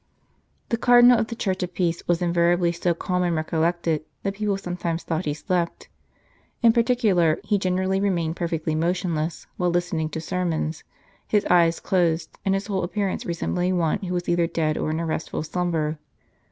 The Cardinal of the Church of Peace was invariably so calm and recollected that people sometimes thought he slept. In particular, he generally remained perfectly motionless while listening to sermons, his eyes closed, and his whole appearance resembling one who was either dead or in a restful slumber.